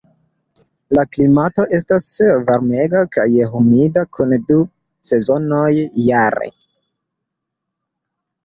La klimato estas varmega kaj humida kun du sezonoj jare.